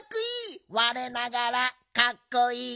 われながらかっこいい。